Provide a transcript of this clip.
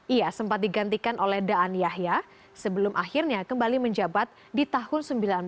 ia sempat digantikan oleh daan yahya sebelum akhirnya kembali menjabat di tahun seribu sembilan ratus sembilan puluh